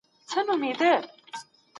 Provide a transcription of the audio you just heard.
نو بورس مو خرابیږي.